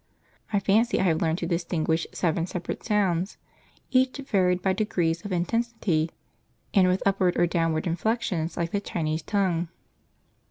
I fancy I have learned to distinguish seven separate sounds, each varied by degrees of intensity, and with upward or downward inflections like the Chinese tongue.